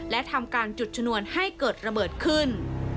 และทำการจุดชนวนให้เกิดระเบิดขึ้น